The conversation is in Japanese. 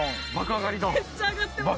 めっちゃ上がってます？